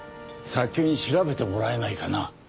早急に調べてもらえないかな？